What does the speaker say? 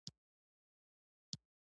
ډيپلومات د افکارو تبادله کوي.